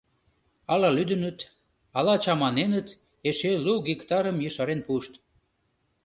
Ала лӱдыныт, ала чаманеныт — эше лу гектарым ешарен пуышт...